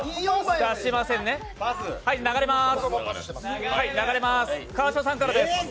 出しませんね、流れます。